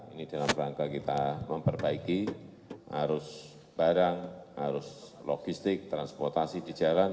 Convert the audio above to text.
ini dalam rangka kita memperbaiki arus barang arus logistik transportasi di jalan